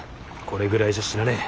これぐらいじゃ死なねえ。